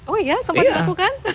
oh iya sempat dilakukan